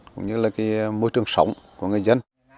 cũng như môi trường sống của người dân